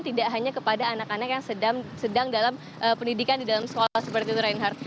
tidak hanya kepada anak anak yang sedang dalam pendidikan di dalam sekolah seperti itu reinhardt